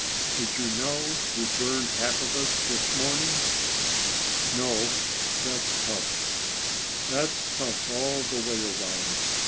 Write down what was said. "Did you know you burned half of it this morning?" "No. That's tough. That's tough all the way around.